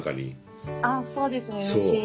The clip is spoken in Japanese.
あっそうですねうれしい。